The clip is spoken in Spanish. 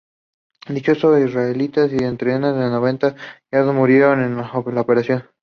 Dieciocho israelíes y entre setenta y noventa jordanos murieron en la operación.